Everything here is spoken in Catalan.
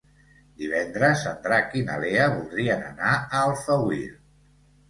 Divendres en Drac i na Lea voldrien anar a Alfauir.